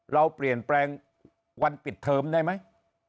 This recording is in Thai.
เราเปลี่ยนแปลงวันปิดเทอมได้ไหม